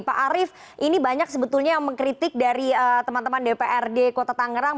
pak arief ini banyak sebetulnya yang mengkritik dari teman teman dprd kota tangerang